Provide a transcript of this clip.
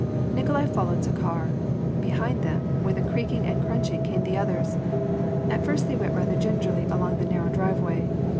Nikolai followed Zakhar ; behind them, with a creaking and crunching, came the others. At first they went rather gingerly along the narrow driveway.